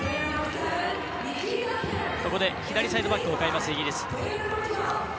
ここで左サイドバックを代えます、イギリス。